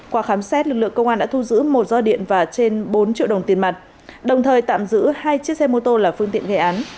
qua khám xét lực lượng công an đã thu giữ một ro điện và trên bốn triệu đồng tiền mặt đồng thời tạm giữ hai chiếc xe mô tô là phương tiện gây án